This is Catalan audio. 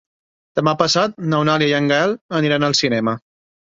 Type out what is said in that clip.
Demà passat n'Eulàlia i en Gaël aniran al cinema.